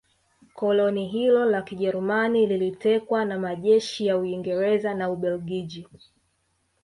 koloni hilo la Kijerumani lilitekwa na majeshi ya Uingereza na Ubelgiji